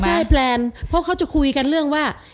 ใช่แพลนเพราะเขาจะคุยกันเรื่องว่า